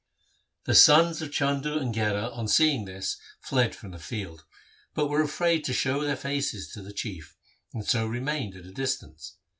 The sons of Chandu and Gherar, on seeing this, fled from the field, but were afraid to show their faces to the Chief, and so remained at a distance.